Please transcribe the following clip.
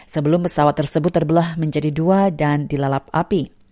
sebelum pesawat tersebut terbelah menjadi dua dan dilalap api